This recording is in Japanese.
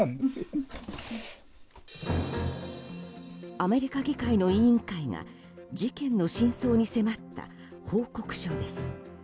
アメリカ議会の委員会が事件の真相に迫った報告書です。